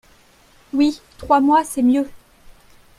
Oui, trois mois, c’est mieux.